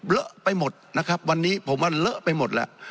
เลอะไปหมดนะครับวันนี้ผมว่าเลอะไปหมดแล้ว